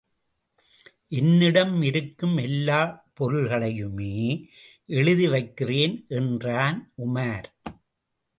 என்னிடம் இருக்கும் எல்லாப் பொருள்களையுமே எழுதி வைக்கிறேன் என்றான் உமார்.